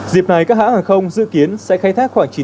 dịp này các hãng hàng không đã làm việc thì không uống rượu